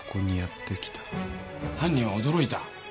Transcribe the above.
犯人は驚いた。